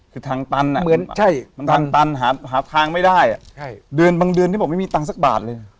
คือทางตันใช่ทางตันหาทางไม่ได้ใช่เดือนบางเดือนไม่มีตังค์สักบาทเลย